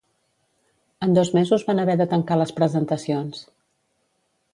En dos mesos van haver de tancar les presentacions.